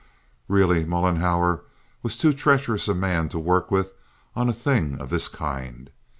Really Mollenhauer was too treacherous a man to work with on a thing of this kind.